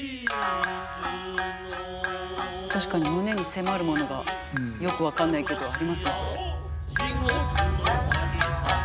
確かに胸に迫るものがよく分かんないけどありますねこれ。